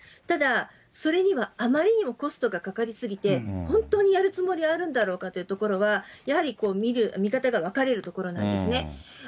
ただ、それにはあまりにもコストがかかり過ぎて、本当にやるつもりがあるんだろうかというところは、やはり見方が分かれるところなんですね。